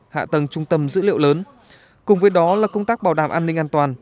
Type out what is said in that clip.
hạ tầng trung tâm dữ liệu lớn cùng với đó là công tác bảo đảm an ninh an toàn